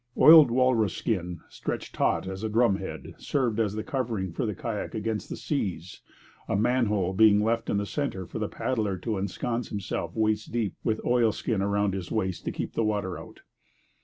Oiled walrus skin, stretched taut as a drum head, served as a covering for the kayak against the seas, a manhole being left in the centre for the paddler to ensconce himself waist deep, with oilskin round his waist to keep the water out.